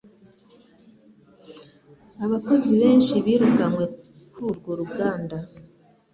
Abakozi benshi birukanwe kuri urwo ruganda.